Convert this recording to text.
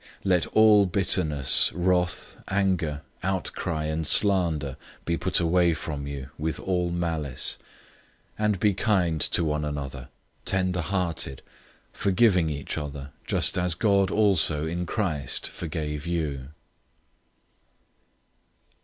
004:031 Let all bitterness, wrath, anger, outcry, and slander, be put away from you, with all malice. 004:032 And be kind to one another, tenderhearted, forgiving each other, just as God also in Christ forgave you.